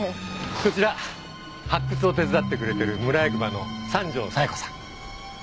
こちら発掘を手伝ってくれてる村役場の三条冴子さん。